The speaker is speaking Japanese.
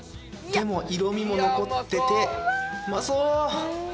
でも色みも残っててうまそう！